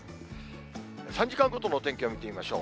３時間ごとの天気を見てみましょう。